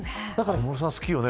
小室さん、好きよね